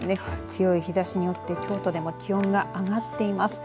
強い日ざしによって京都でも気温が上がっています。